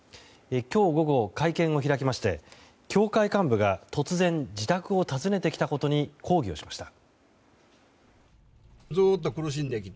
今日午後、会見を開きまして教会幹部が突然、自宅を訪ねてきたことに抗議をしました。